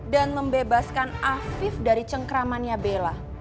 dan membebaskan afif dari cengkramannya bella